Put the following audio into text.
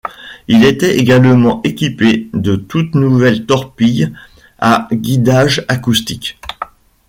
Il était également équipé des toutes nouvelles torpilles à guidage acoustique.